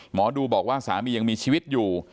หมอดูบอกว่าสามียังมีชีวิตอยู่